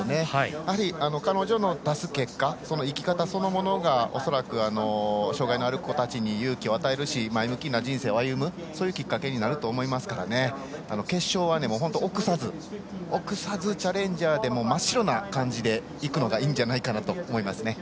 やはり彼女の出す結果生き方そのものが恐らく、障がいのある子たちに勇気を与えるし前向きな人生を歩むきっかけになると思いますから決勝は本当臆さずにチャレンジャーで真っ白な感じでいくのがいいんじゃないかなと思います。